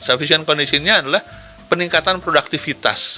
efisien conditionnya adalah peningkatan produktivitas